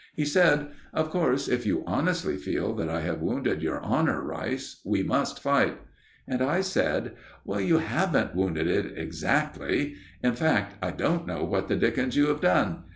He said: "Of course, if you honestly feel that I have wounded your honour, Rice, we must fight." And I said: "You haven't wounded it exactly. In fact I don't know what the dickens you have done.